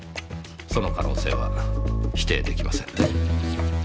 その可能性は否定できませんねぇ。